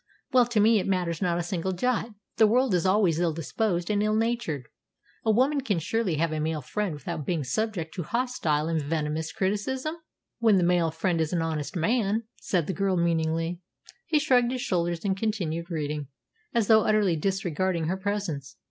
"Well, to me it matters not a single jot. The world is always ill disposed and ill natured. A woman can surely have a male friend without being subject to hostile and venomous criticism?" "When the male friend is an honest man," said the girl meaningly. He shrugged his shoulders and continued reading, as though utterly disregarding her presence.